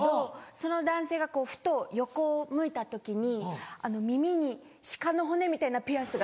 その男性がふと横を向いた時に耳に鹿の骨みたいなピアスが。